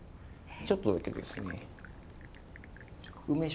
ちょっとだけですね梅酒。